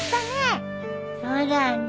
そうだね。